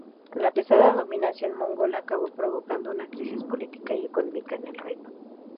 La pesada dominación mongola acabó provocando una crisis política y económica en el reino.